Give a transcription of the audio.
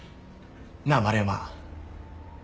なあ丸山。